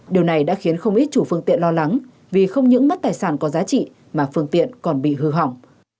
điều này đã khiến không ít chủ phương tiện lo lắng vì không những mất tài sản có giá trị mà phương tiện còn bị hư hỏng